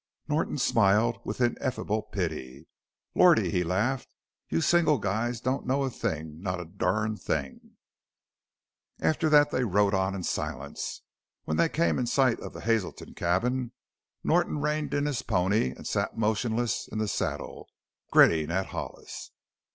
Norton smiled with ineffable pity. "Lordy!" he laughed; "you single guys don't know a thing not a durned thing!" After that they rode on in silence. When they came in sight of the Hazelton cabin Norton reined in his pony and sat motionless in the saddle, grinning at Hollis.